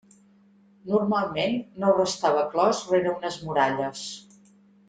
Normalment no restava clos rere unes muralles.